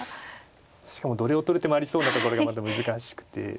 しかもどれを取る手もありそうなところがまた難しくて。